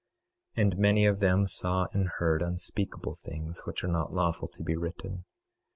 26:18 And many of them saw and heard unspeakable things, which are not lawful to be written.